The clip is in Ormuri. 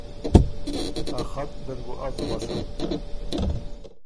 ا خط دل بُو از غؤسم